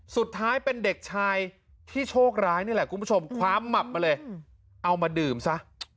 สุดท้ายเป็นเด็กชายที่โชคร้ายนี่แหละคุณผู้ชมความหมับมาเลยเอามาดื่มซะ